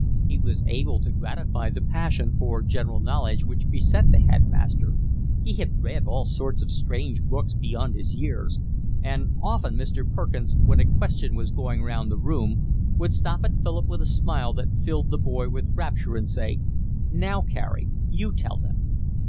He was able to gratify the passion for general knowledge which beset the headmaster; he had read all sorts of strange books beyond his years, and often Mr. Perkins, when a question was going round the room, would stop at Philip with a smile that filled the boy with rapture, and say: "Now, Carey, you tell them."